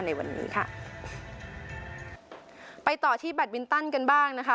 ในวันนี้ค่ะไปต่อที่แบตมินตันกันบ้างนะคะ